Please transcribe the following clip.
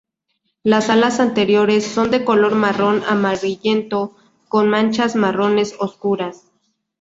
Las alas anteriores son de color marrón amarillento, con manchas marrones oscuras.